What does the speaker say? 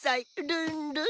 ルンルン！